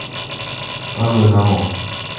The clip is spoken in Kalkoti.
اگھہ نہ بھوں۔